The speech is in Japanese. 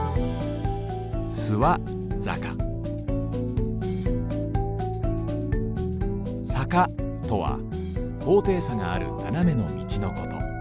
諏訪坂坂とはこうていさがあるななめのみちのこと。